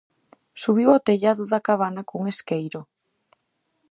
Subiu ao tellado da cabana cun esqueiro.